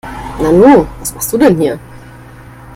Nanu, was machst du denn hier?